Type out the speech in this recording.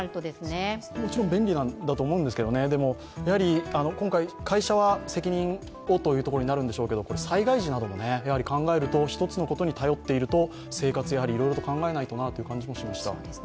もちろん便利なんだと思うんですけどね、今回、会社は責任をということになるんでしょうけど災害時などを考えると１つのことに頼っていると生活、やはりいろいろと考えないとなと感じました。